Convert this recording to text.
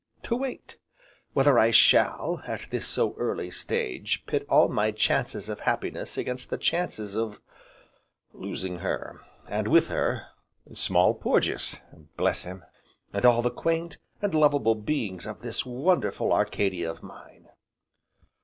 To wait? Whether I shall, at this so early stage, pit all my chances of happiness against the chances of losing her, and with her Small Porges, bless him! and all the quaint, and lovable beings of this wonderful Arcadia of mine.